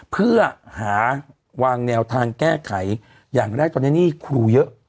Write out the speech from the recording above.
เพื่อหาวางแนวทางแก้ไขอย่างแรกตอนนี้หนี้ครูเยอะ